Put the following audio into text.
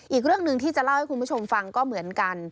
อีกเรื่องหนึ่งที่จะเล่าให้คุณผู้ชมฟังก็เหมือนกัน